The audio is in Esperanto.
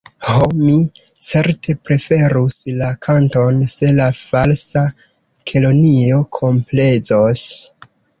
Ho, mi certe preferus la kanton, se la Falsa Kelonio komplezos.